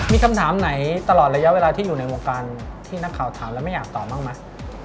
มีคำถามไหนตลอดระยะเวลาที่อยู่ในวงการที่นักข่าวถามแล้วไม่อยากตอบบ้างไหม